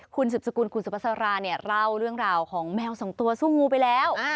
คุณสิบสกุลคุณสุภาษาราเนี่ยเล่าเรื่องราวของแมวสองตัวสู้งูไปแล้ว